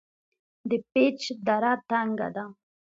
د پیج دره تنګه ده